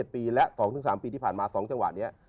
๕๗ปีแล้ว๒๓ปีที่ผ่านมา๒ส่วนครั้งนี้